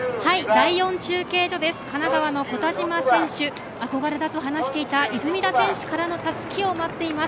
神奈川の古田島選手憧れだと話していた出水田選手からのたすきを待っています。